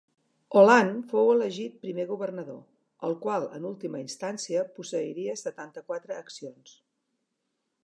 Holland fou elegit primer governador, el qual en última instància posseiria setanta-quatre accions.